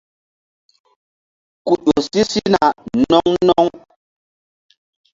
Ke ƴo si sina no̧ŋ no̧ŋ.